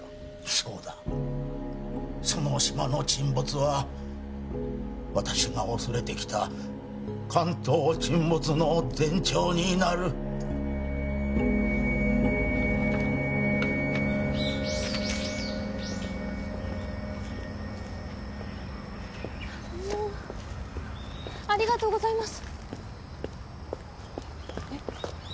そうだその島の沈没は私が恐れてきた関東沈没の前兆になるもうありがとうございますえっ？